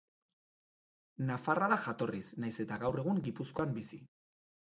Nafarra da jatorriz, nahiz eta gaur egun Gipuzkoan bizi.